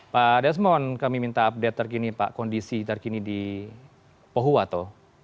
pak desmond kami minta update terkini pak kondisi terkini di pohuwato